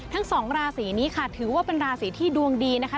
ทั้งสองราศีนี้ค่ะถือว่าเป็นราศีที่ดวงดีนะคะ